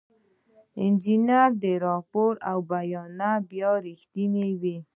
د انجینر راپور او بیانیه باید رښتینې وي.